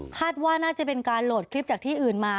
คาดว่าน่าจะเป็นการโหลดคลิปจากที่อื่นมา